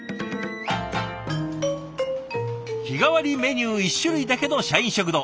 日替わりメニュー１種類だけの社員食堂。